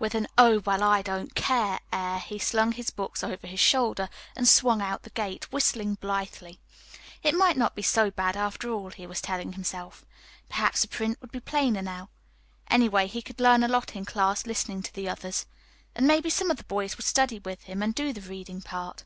With an oh well I don't care air he slung his books over his shoulder and swung out the gate, whistling blithely. It might not be so bad, after all, he was telling himself. Perhaps the print would be plainer now. Anyway, he could learn a lot in class listening to the others; and maybe some of the boys would study with him, and do the reading part.